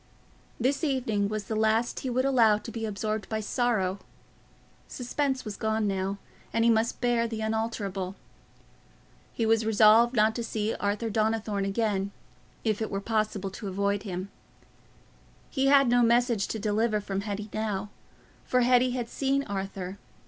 This evening was the last he would allow to be absorbed by sorrow: suspense was gone now, and he must bear the unalterable. He was resolved not to see Arthur Donnithorne again, if it were possible to avoid him. He had no message to deliver from Hetty now, for Hetty had seen Arthur.